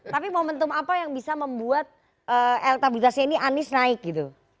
tapi momentum apa yang bisa membuat elektabilitasnya ini anies naik gitu